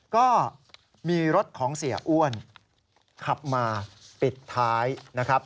ก็มีรถของเสียอ้วนขับมาปิดท้ายนะครับ